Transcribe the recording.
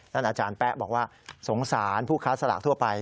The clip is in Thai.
อาจารย์แป๊ะบอกว่าสงสารผู้ค้าสลากทั่วไป